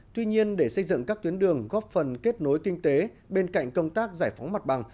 tuy nhiên để xây dựng các tuyến đường góp phần kết nối kinh tế bên cạnh công tác giải phóng mặt bằng